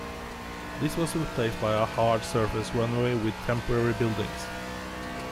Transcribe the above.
This was replaced by a hard surface runway with temporary buildings.